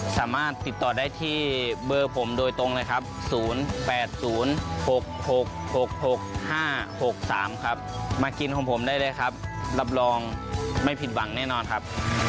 สามารถติดต่อได้ที่เบอร์ผมโดยตรงเลยครับ๐๘๐๖๖๖๖๕๖๓ครับมากินของผมได้เลยครับรับรองไม่ผิดหวังแน่นอนครับ